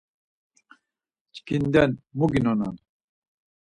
Çkinden mu ginonan?